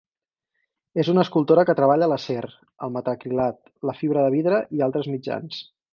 És una escultora que treballa l'acer, el metacrilat, la fibra de vidre i altres mitjans.